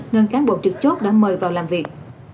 nên cán bộ trực chốt đã mời vào làm việc